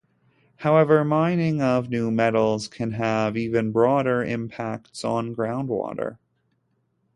However, mining of new metals can have even broader impacts on groundwater.